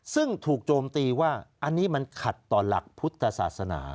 ซึ่งถูกโจมตีว่าอันนี้มันขัดต่อหลักพุทธศาสนา